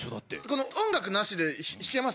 この音楽なしで弾けます？